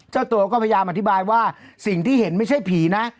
เจ้าตัวก็พยายามอธิบายว่าสิ่งที่เห็นไม่ใช่ผีนะ